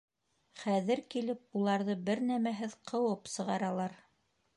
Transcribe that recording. Хәҙер килеп уларҙы бер нәмәһеҙ ҡыуып сығаралар.